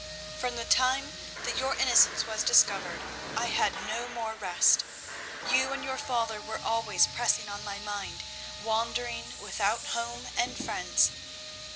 "From the time that your innocence was discovered I had no more rest. You and your father were always pressing on my mind, wandering without home and friends.